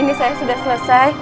ini saya sudah selesai